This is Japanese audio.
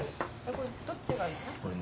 これどっちがいいの？